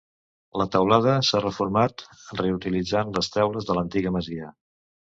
La teulada s'ha reformat reutilitzant les teules de l’antiga masia.